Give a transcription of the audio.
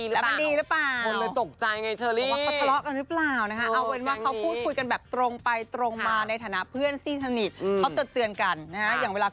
แล้วที่พี่เลือกให้ทุกวันนี้มันดีหรือเปล่า